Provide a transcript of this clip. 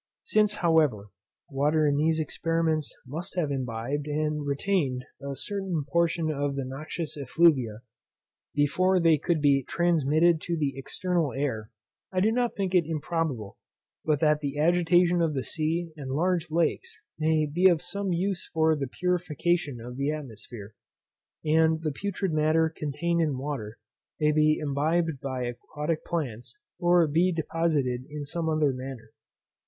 Since, however, water in these experiments must have imbibed and retained a certain portion of the noxious effluvia, before they could be transmitted to the external air, I do not think it improbable but that the agitation of the sea and large lakes may be of some use for the purification of the atmosphere, and the putrid matter contained in water may be imbibed by aquatic plants, or be deposited in some other manner.